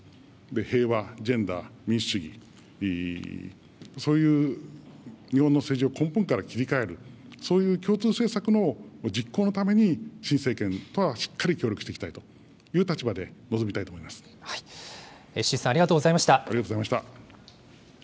平和、ジェンダー、民主主義、そういう日本の政治を根本から切り替える、そういう共通政策の実行のために、新政権とはしっかり協力していきたいという立場で臨み志位さん、ありがとうございありがとうございました。